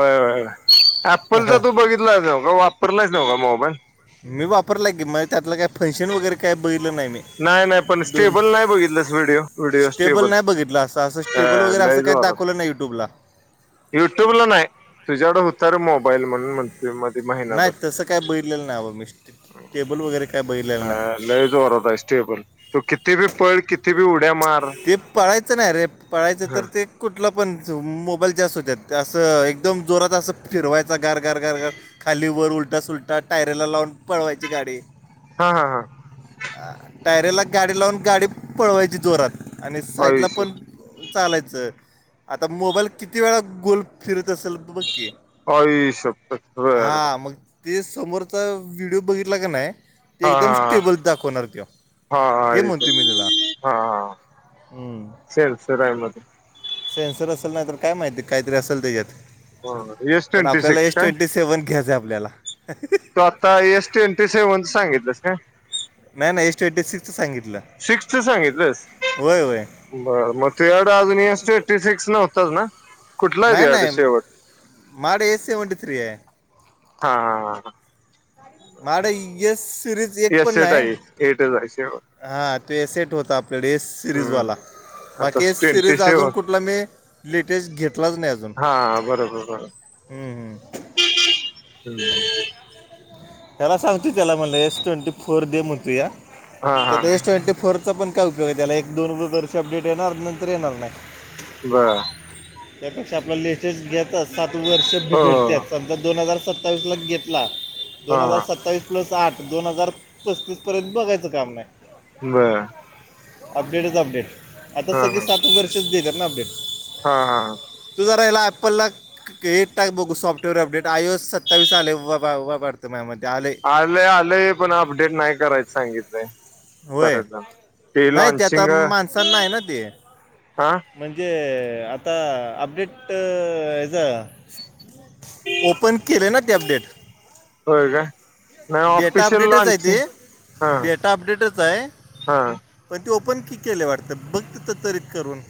हो हा? अऍपलचा तू बघितलाच नव्ह का वापरलाच नव्ह का मोबाईल. मी वापरला गे म त्यातलं काय फंक्शन वगैरे काय बघलं नाही मी. नाही नाही पण दोन स्टेबल नाही बघितलंस व्हिडिओ [unintelligible] व्हिडिओ स्टेबल नाही बघितलं अस अस स्टेबल वगैरे अस लय काय जोरात दाव ना युट्यूब ला युट्यूबला नाही तुझ्याकड होत रे मोबाईल म्हणून म्हण नाही तसं काय बैलेलं नाहीं मिस्ट टेबल वगैरे काय बैलेलं नाही. लई जोरात आहे स्टेबल तो कितीही पळ कितीे बी उड्या मार ते ह कुठला पण मोबाईल जास्त होत्यात असं एकदम जोरात असं फिरवायचा गार गार गार गार. खाली वर उलटा सुलटा टायरला लावून पळवायची गाडी. हा हा हा टायरेला गाडी लावून गाडी पळवायची जोरात आणि आई साईडला श पण चालायचं आता मोबाईल किती वेळा गोल फिरत असेल बघकी. आई शपथ [unintelligible] बर बर हा मग ते समोरचा व्हिडिओ बघितला का नाही ते हा एकदम हा स्टेबल दाखवणार ते हा हा हे आई म्हणते मी शपथ तुला. हा हां [unintelligible] हम्म सेन्सर असेल नाही तर काय माहिती काहीतरी असल त्याच्यात मध्ये एस पण ट्वेंटी आपल्याला सिक्स एस काय ट्वेंटी सेव्हन घ्यायचंय आपल्याला. तू आता एसट एंट्री सेव सांगितलंस. नाही नाही एस ट्वेटी सिक्सच सांगितलं. सिक्स्थ सांगितलंस. होय होय बर म एर्ड अजून अ एटी सिक्स न होतात ना? कुठला आहे नाही तुझ्याकडे नाही शेवट? माड ए सेवंटी थ्री आहे. हा हा ह ह मा येसर. एक पण एस एट नाही आहे एटच आहे शेवट हा तोट होता आपल्याडे सिरीज हम्म. वाला. आता बाकी ट्वेंटी सिरीज अजून सेवन कुठला मी लेटेस्ट घेतलाच नाही अजून हा बरोबर बरोबर. हम्म हम्म [unintelligible] त्याला सांगतो त्याला मला एस ट्वेंटी फोर दे म्हणतू या हा त्या हा एस ट्वेंटी फोर चा पण काय उपयोग आहे त्याला एक दोन वर्ष अपडेट येणार नंतर येणार नाही. बर त्यापेक्षा आपल्या लेस्टेस घेतच सात वर्ष बि हो हो भेडत संता दोन हजार सत्तर सत्तावीस ला घेतला. दोन हा हजार सत्तावीस प्लस आठ दोन हजार पस्तीस पर्यंत बघायचं काम नाही. बरं अपडेटच संपले आता हा सगळी हा. सातच वर्षच देतात ना अपडेट. हा तूजा रायला ॲप्पललाचं ते टाक बघू सॉफ्टवेअर अपडेट आयो सत्तावीस आलय वा बा वाटत माझ मते आलय. आलंय आलंय पण अपडेट नाय करायचं सांगितलंय. होय बऱ्याचदा हे नाही ते आता लॉनचिंग माणसांना आहे ना ते हा म्हणजे आता अपडेट ह्याज ओपन केले ना ते अपडेट होय काय नाही डेटा ऑफिशियल अपडेटच आहे ते लॉन्चिंग हा डेटा अपडेटच आहे. हा पण ते ओपन की केले वाटतं बघ तीत तरी करून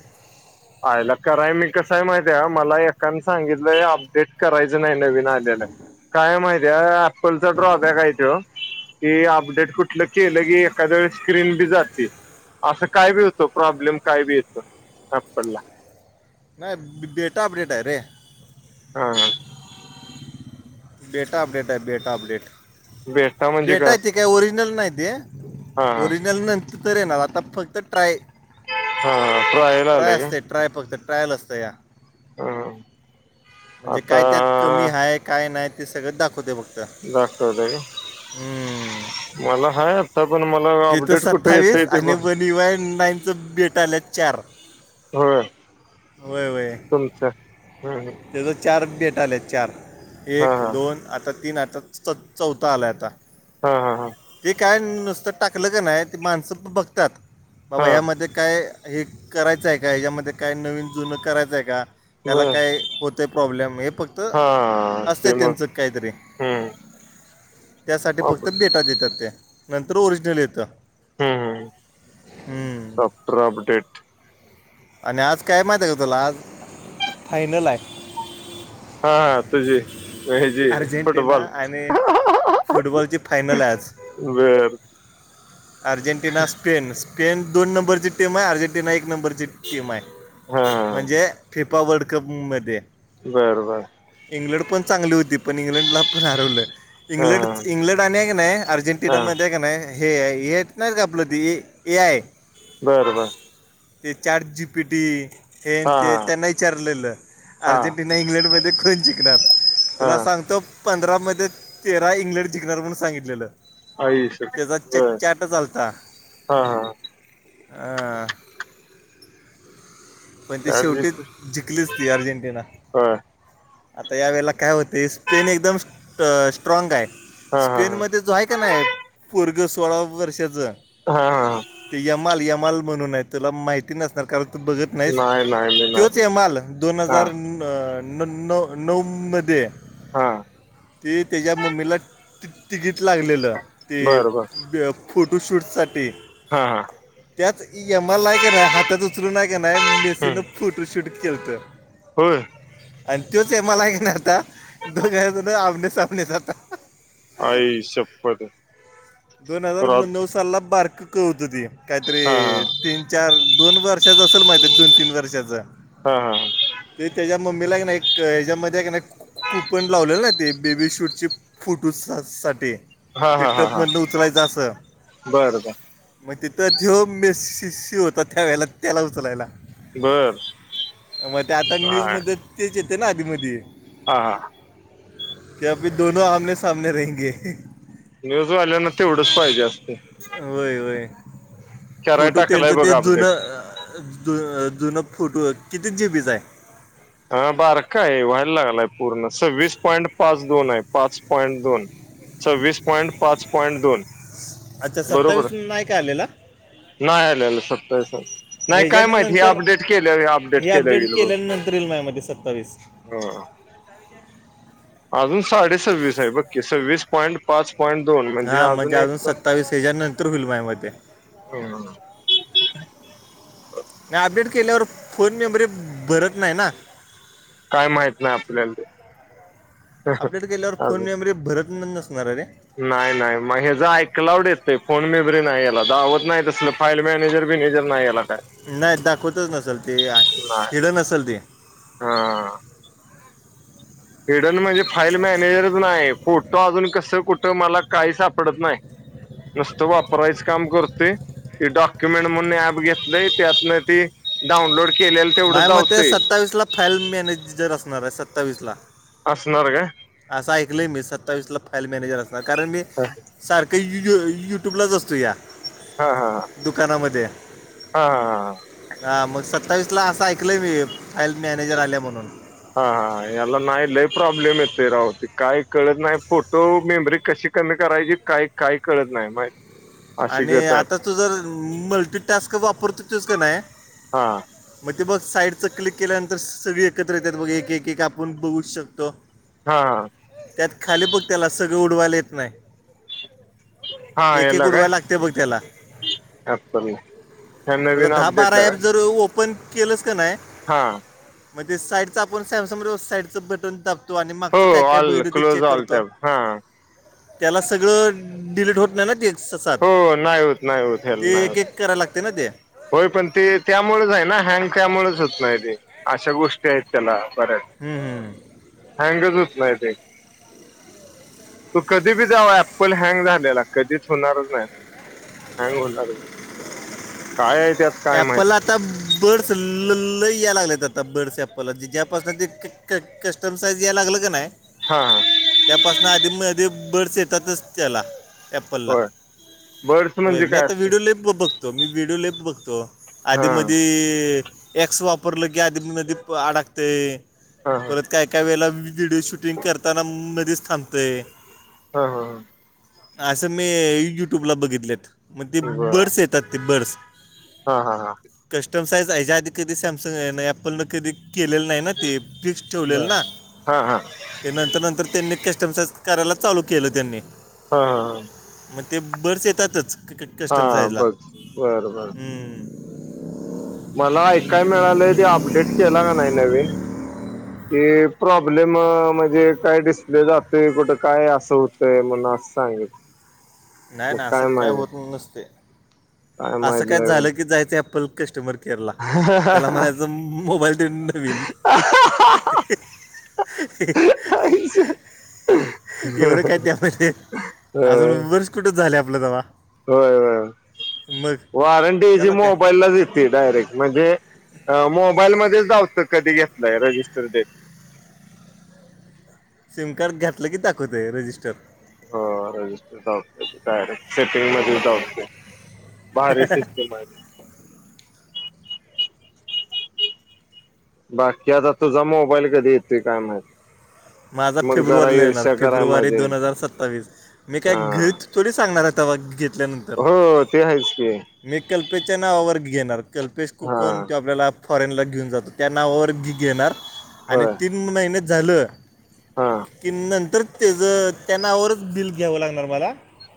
आयला कराय मी कसंय माहित आहे मला एकान सांगितलंय अपडेट करायचं नाय नवीन आलेला हाय काय हाय माहिती अँपलचा ड्रॉबॅक हाय त्यो हे अपडेट कुठलं केलं की एखाद्यावेळीस स्क्रीन बी जाते. असं काय बी होतं प्रॉब्लेम काय बी येतं. पल्ला नाय बेटा अपडेट हाय रे हा बेटा अपडेट हाय बेटा अपडेट बेटा म्हणजे बेटाय असते काय ओरिजनल नाय ते हा हा ओरिजनल न तर येणार आता फक्त ट्राय हा ट्राय ट्राय असते ट्राय फक्त ट्रायल असतं या अ म्हणजे काय त्यात कमी हाय काय नाय ते सगळं दाखवत्या बघ दाखव व्हय हम्म. मला हाय आता पण मला इथं अपडेट कुठे येतय सत्तावीस ते आणि पण वनिवाय नाईनचं बेट भेटायलेत चार होय व्हय व्हय तुमचं हम्म त्याज चार भेटायलेत चार हा एक हा दोन आता तीन आता च चौथा आलाय आता हा हा हा ते काय नुसतं टाकलं का नाय ते माणसं पण बघतात बाबा हा ह्यामध्ये काय हे करायचं आहे का याज्यामध्ये काय नवीन जुनं करायचं आहे का? त्याला बर काय होतंय प्रॉब्लेम हे फक्त हा असतंय ते मग त्यांचं कायतरी हम्म त्यासाठी अप फक्त बेटा देतात ते नंतर ओरिजनल येतं. हम्म हम्म हम्म हम्म. सॉफ्टवेअर अपडेट आणि आज काय माहिती आहे का तुला आज फायनल हाय. हा तुझी हे जी अर्जेंटिना फुटबॉल आणि फुटबॉलची फायनल हाय आज वेर अर्जेंटिना स्पेन स्पेन दोन नंबरची टीम आहे अर्जेंटिना एक नंबरची टीम हाय हा हा म्हणजे फिफा वर्ल्ड कप मध्ये बर बर इंग्लंड पण चांगली होती पण इंग्लंडला पण हरवलं हा इंग्लंड चं इंग्लंड आणि हाय की नाय हा अर्जेंटिनाम ते का नाय हे हेे हाईत का नाय आपलं ती ए आय बरं बर चार्ट जी पी टी हेनं हा ते हा त्यांना इचारलेलं हा अर्जेंटिना इंग्लंड मध्ये कोणं जिकणार. हा तुला सांगतो पंधरा मध्ये तेरा इंग्लंड जिंणार म्हणून सांगितलेलं. आईशप त्याचा बर चचचाट आलता हा हा अ. पण ती चार जी शेवटीच पी जंलीच ती अर्जेंटिना. होय आता या वेळेला काय होते स्पेन एकदम स्ट स्ट्रॉग आहे. हा हा स्पेन मध्ये जो आहे का नाही पोरग सोळा वर्षांचा हा हा हा. ते यमाल यमाल म्हणून आहे तुला माहिती नस सरकार त बघत नाहीस नाही नाही मी तोच नाही हेमल दोन हा हजार न अ न न नऊमध्ये हा ते त्याच्या मम्मीला ति तिकीट लागलेलं. ते बर बर ब फोटोशूटसाठी हा हा. त्याच एम आर लाय का नाही हातात उचलून नाही का नाही मेसीनं हम्म फोटोशूट केलंत. होय. आणि तोचे मलाग ना आता दोघ जण आमने सामने आता. आई शप्पथ दोन हजार क्रॉस नऊ साल ला बारक त काहीतरी हा तीन चार दोन वर्ष चाच असेल महिती दोन तीन वर्षाचा हा हा हा ते त्याचा मम्मीला आहे का नाही एक याच्यामध्ये कु कु कूपन लावलेलं ना ते बेबी शूट चे फोटूसासाठी हा ते हा हा हा टपमधन उचलायचं असं. बर बर मग तिथं जो म्य सि सि होता त्या वेळेला त्याला उचलायला. बर. मग ते आता हा न्यूज मध्ये तेच येते ना आधी मधी. हा हा. क्या अभी दोनो आमने समने रहींगे. न्यूज आल्यान तेवढच पाहिजे असते. व्हय व्हय कराय फोटो टाकलाय त्यांचं ते बघा अपडेट जुनं जुनं फोटो किती जी बी चाये हा बार काय व्हायला लागलाय पूर्ण सवीस पॉईंट पाच दोन आहे पाच पॉईंट दोन सव्वीस पॉईंट पाच पॉईंट दोन. अच्छा सत्तावीस बरोबर नाही काय आलेला? नाही आलेल सत्तरस मग नाही काय माती ह्याच्यानंतर आपपडेट केले अडेट हे केले अपडेट ईल बग. [unintelligible] [unintelligible] सत्तावीस. हो. अजून साडेसव्वीस आहे बक्की सव्वीस पॉईंट पाच पॉंट दोन. हा म्हणजे अजून सत्तावीस हच्या नंतर होईल माझ मध्ये. [unintelligible] मी अपडेट केल्यावर फोन मेमरीत भरत नाही ना. काय माहित नाही आपल्याला ते अपडेट केल्यावर फोन अजून मेमरी भरतनंद नसणार येरे. नाही नाही मग ह्या ज ऐकलावड येत फोन मी बरीे नाही याला दावत नाही तसल फाईल मॅनेजर बीनेजर नाही याला काय. नाही दाखवतच नसल ते नाही हिड नसल ते हा. हेडन म्हणजे फाईल मॅनेजरच नाही फोटो अजून कसं कुठं मला काही सापडत नाही. नुसतं वापरायचं काम करते ते डॉक्युमेंट म्हणून ऍप घेतलंय त्यातन ते डाऊनलोड केलेलं तेवढं माझ्या मते दावतये. सत्तावीसला फाईल मॅनेजर असणार आहे सत्तावीसला. असणार का? असं ऐकलं मी सत्तावीसला फाईल मॅनेजर असणार कारण मी, हा, सारखं यु युट्यूबलाच असतो या, हा हा दुकानामध्ये हा हा मग सत्तावीस, ला असं ऐकलंय मी मॅनेजर आल्या म्हणून हा हा याला नाही लय प्रॉब्लेम येते राहते काय कळत नाही फोटो मेमरी कशी कमी करायची काही काही कळत नाही माहि आणि आता तू जर मल्टीटास्क वापरतो तस का नाही हा मग ते बघ साईडच क्लिक केल्यानंतर सगळे एकत्र येतात बघ एक एक एक आपण बघू शकतो हा त्यात खाली बघ त्याला सगळं उडवायला येत नाही हा ए, ब ऍपल ह्या नवीन अपडेटला काय पण केलंस का नाही हा मणज ते साईडच आपण सॅमसंग रो साईडचं बटन ताप तो आणि हो मागचं काय काय ऑल बैलं ते क्लोज चेक ऑल करतो टॅब हा त्याला सगळं डिलीट होत नाही ना ते सात हो नाही होत नाही होत हे नाही होत कराय लागते ना ते होय पण ते त्यामुळेच आहे ना हँग त्यामुळेच होत नाही ते अशा गोष्टी आहेत त्याला बऱ्याच हम्म हम् हँगच होत नाहीय ते तू कधी बी जाव अऍप्पल हँग झालेला कधीच होणारच नाही त हँग होणारच नाही काय माहित एपल आता बर्डस ल ल या लागलेत आता बर्डस्ला जि ज्यापासून ते क कस्टम साईज यायला लागलं का नाही हा हा त्यापासून आधी म आध बडस येतातच त्याला एप्पल ला होय बर्ड्स होय म्हणजे मी काय आता असते व्हिडिओ लि बघतो मी व्हिडिओ ललेप बघतो हा आधी म एक्स वापरलं की आधी नदी प अडकते हा हा परत काय काय वेळे व्हिडिओ शूटिंग करताना मध्येच थांबतय हा हा हा असं मी युट्यूबला बघितलेत मग ते बर बर्ड्स येतात ते बर्ड्स हा हा हा कस्टम साईज याच्या आधी कधी सॅमसंग आहे अपल न कधी केलेलं नाही ना ते फिक्स ठेवलेल बर ना हा हा ते नंतर नंतर त्यांनी कस्टमसाइज करायला चालू केलं त्यांनी हा हा मग ते बरच येतातच क्रिकट हा बघ बरं बर हमम मला ऐकाय मिळालंय ते अपडेट केला का नाही नवीन क प्रॉब्लेम म्हणजे काय डिस्प्ले जातय कुठं काय असं होतंय म्हण असं सांगेल नाही ना असं काय होत नसते असं माहित काय नवीन झालं की जायचं अप्पल कस्टमर केरला त्याला म्हणायचं मोबाईल देऊन नवीन [inaudible] एवढं काय नाही आपण अजून वर्ष कुठे झालं आपलं जव होय होय वारंटी याची त्याला काय मोबाईलला देत डायरेक्ट म्हणजे मोबाईल मध्येच जावतं कधी घेतलंय रजिस्टर डे सिम कार्ड घातलं की दाखवतो आहे रजिस्टर हो रजिस्टर ते डायरेक्ट सेटिंग मध्ये ते म र सिस् म बाकी आता तुझा मोबाईल कधी येतय काय माह माझा फेब्रुवारीला येणार कराय फेब्रुवारी मजा दोन येईल हजार सत्तावीस मी काय घरीट हा तथोडी सांगणार आता घेतल्यानंतर हो ते आहेच की मी कल्पेशच्या नावावर घेणार कल्पेश हा कुकण तो आपल्याला फॉरेनला घेऊन जातो त्या नावावर घी घेणार आणि होय तीन महिनेत झालं हा कि नंतर त्याच त्यांनावरच बिल घ्यावं लागणार मला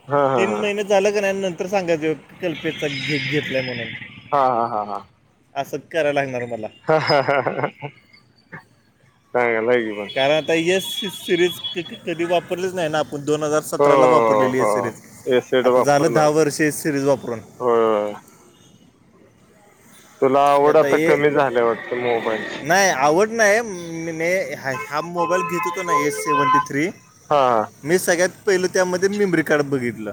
हा हा तीन हा महिने झालं का नाही नंतर सांगायच कल्पेचा घेक घेतलाय म्हणून हा हा हा हा अस सत् करायला लागणार मला हा ह हांग नाही कारण आता सिरीज कधी वापरलीच नाही ना आपण दोन हजार हो सतराला वापरलेली हो सिरीज एसिड आता झालं दहा वर्ष सिरीज वापरून हो तुला ते आवड आता हे कमी झाल्या वाटत मोबाईल नाही आवड नाही मे हा मोबाईल घेत होतो ना एस सेव्हनटी थ्री हा ह मी सगळ्यात पहिलं त्यामध्ये मेमरी कार्ड बघितलं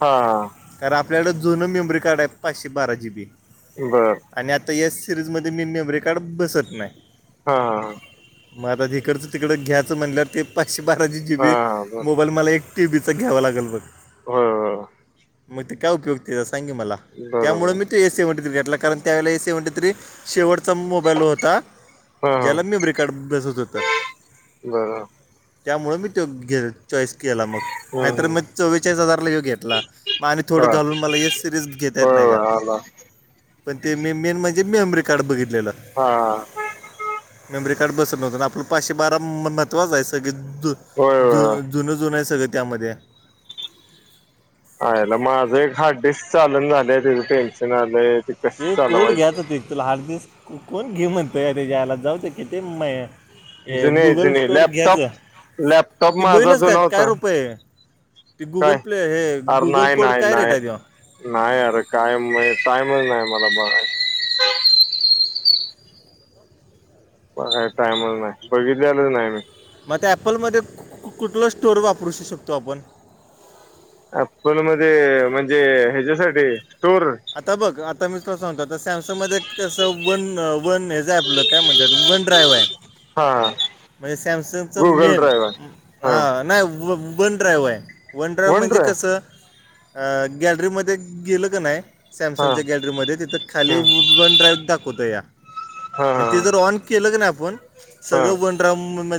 हा कारण आपल्याकं जुनं मेमोरी कार्ड आहे पाचशे बारा जी बी बरं आणि आता या सिरीजमध्येध्ये मी मेमरी कार्ड बसत नाही हा मग आता तिकडचं तिकडं घ्यायचं म्हणल्या ते पाचशे बाराशे जी हा बी बर मोबाईल मला एक टी व्चं घ्यावं लागेल बग हा मग ते काय उपयुक्त सांगे मला त्यामुळे बरोबर मी त ए सी वणटी तथ्री घेतला कारण त्यावेळेला ए सी वणट तरी शेवटचा मोबाईल होता हा ज्याला मेमरी कार्ड बसत होतं बर त्यामुळं मी तो घे चॉईस केला मग हम्म नाहीतर हम्म मी चो्वेचाळीस हजारला घेऊ घेतला म आणि थोडं घालून मला हे सिरीज घेता येत नाही का ह पण ते मी मेन म्हणजे मेमरी कार्ड बघितलेलं हा मेमरी कार्ड बसत नव्हतं आपलं पाचशे बारा महत्त्वां आहे सगळे द होय ज होय जुनं जुन आहे सगळं त्यामध्ये हला माझं एक हार्डिस्क चालून झालंय तिथं टेन्शन आलंय कसं ते कोड घ्यायच हो चालवायचं ते तुला हठ दिस कोण घेऊण तर यायला जाऊच की ते म ए जुने गुगल जुने स्टोअर घ्यायच लॅपटॉप लॅपटॉप ते माझा बैलच का जुना काय होता रुपये ते काय गुगल प्ले हे अरे गुगल नाही कोड नाही काय रेट नाही आहे तेव्हा नाही अरे कायम टायमच नाही मला बणाय का टायमच नाही बघितले आलंच नाही मी मग ॲपलमध्ये कुठला? स्टोअर वापरू श शकतो आपण. अल मध्ये म्हणजे ह्याच्यासाठी स्टोर आता बघ आता मी तुला, सांगतो आता सॅमसंगमध्येध्ये एक कसं वन वन हेच आहे आपलं काय म्हणतात वन ड्रायव्ह आहे. हा. म्हणजे सॅमसंगच गुगल मेन ड्रायव्ह हा नाही व वन ड्राईव्ह आहे वन ड्राईव्ह म्हणजे कसं गॅलरीमध्ये गेलं का नाही हा सॅमसंगच्या गॅलरीमध्ये तिथं खाली हा व वन ड्राईव दाखवतया हा म्हण हा ते जर ऑन केलं की नाही आपण हा सगळं वन ड्राईव्ह म मध्ये